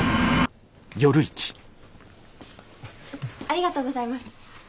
ありがとうございます。